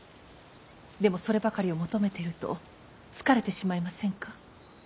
でもそればかりを求めていると疲れてしまいませんか。